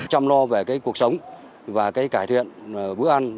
chăm lo về cái cuộc sống và cái cải thiện bữa ăn